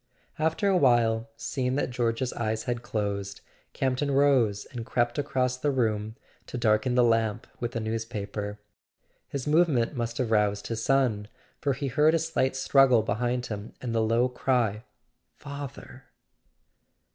After a while, seeing that George's eyes had closed, Campton rose, and crept across the room to darken the lamp with a newspaper. His movement must have roused his son, for he heard a slight struggle behind him and the low cry: "Father!"